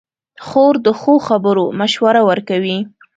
خور د ښو خبرو مشوره ورکوي.